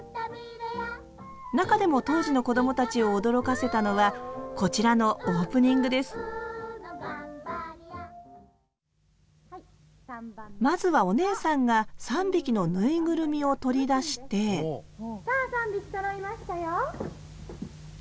中でも当時のこどもたちを驚かせたのはこちらのオープニングですまずはお姉さんが３匹のぬいぐるみを取り出してさあ３匹そろいましたよ。